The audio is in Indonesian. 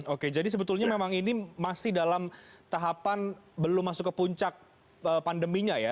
oke jadi sebetulnya memang ini masih dalam tahapan belum masuk ke puncak pandeminya ya